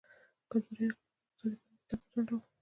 کلتوري انقلاب اقتصادي پرمختګ وځنډاوه.